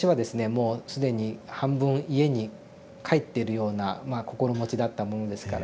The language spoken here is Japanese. もう既に半分家に帰ってるようなまあ心持ちだったものですからですね